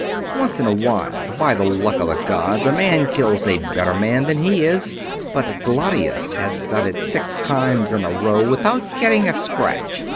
Once in a while, by the luck of the gods, a man kills a better man than he is; but Glatius has done it six times in a row, without getting a scratch.